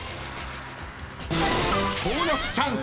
［ボーナスチャンス！］